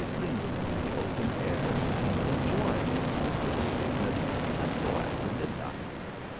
lingering in the open air and enjoying its tempered sweetness until after midnight.